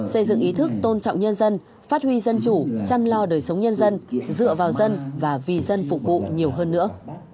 xây dựng ý thức tôn trọng nhân dân phát huy dân chủ chăm lo đời sống nhân dân dựa vào dân và vì dân phục vụ nhiều hơn nữa